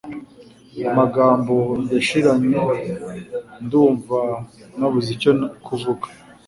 amagambo yashiranye ndumva nabuze icyo kuvuga